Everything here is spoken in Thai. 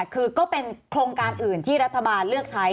คือก็เป็นโครงการอื่นที่รัฐบาลเลือกใช้